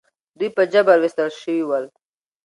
دوی په جبر ویستل شوي ول.